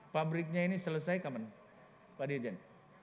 pabriknya ini selesai kapan pak dirjen